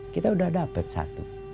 kita udah dapet satu